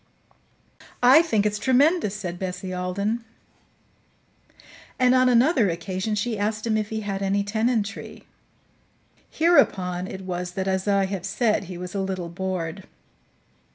"I think it's tremendous," said Bessie Alden; and on another occasion she asked him if he had any tenantry. Hereupon it was that, as I have said, he was a little bored.